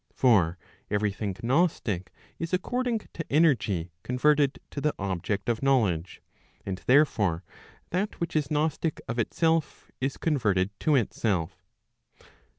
For every thing gnostic is according to energy converted to the object of knowledge; and therefore that which is gnostic of itself is converted to itself.